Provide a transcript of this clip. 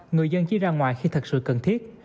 người dân chỉ ra ngoài khi thật sự cần thiết